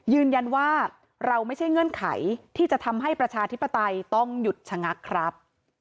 ยืนยันว่าเราไม่ใช่เงื่อนไขที่จะทำให้ประชาธิปไตยต้องหยุดชะงักครับ